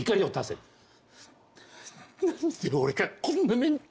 「何で俺がこんな目に」